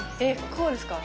こうですか？